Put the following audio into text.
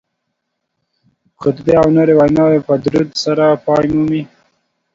خطبې او نورې ویناوې په درود سره پای مومي